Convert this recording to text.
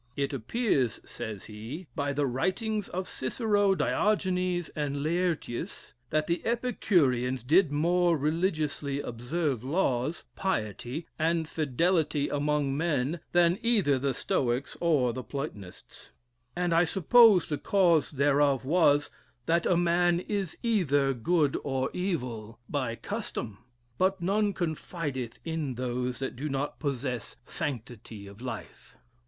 It appears (says he) "by the writings of Cicero, Diogenes, and Laertius, that the Epicureans did more religiously observe laws, piety, and fidelity among men than either the Stoics or the Platonists; and I suppose the cause thereof was, that a man is either good or evil by custom, but none confideth in those that do not possess sanctity of life.